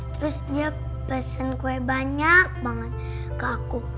terus dia pesen kue banyak banget ke aku